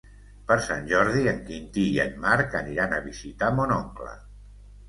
Per Sant Jordi en Quintí i en Marc aniran a visitar mon oncle.